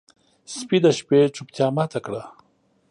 سپي د شپې چوپتیا ماته کړه.